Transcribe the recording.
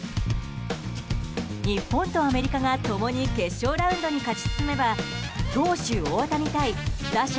日本とアメリカが共に決勝ラウンドに勝ち進めば投手・大谷対打者